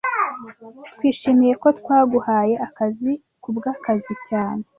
Twishimiye ko twaguhaye akazi kubwakazi cyane